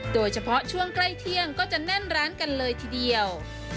โดยเฉพาะช่วงใกล้เที่ยงก็จะแน่นร้านกันเลยทีเดียว